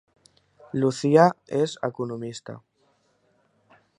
Lucía és economista